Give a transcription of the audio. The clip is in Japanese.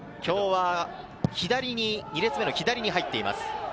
今日は２列目の左に入っています。